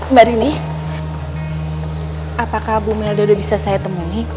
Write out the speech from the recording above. mbak rini apakah bu melda udah bisa saya temuni